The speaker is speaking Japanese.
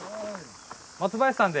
松林さんで？